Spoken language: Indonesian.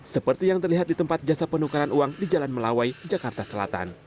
seperti yang terlihat di tempat jasa penukaran uang di jalan melawai jakarta selatan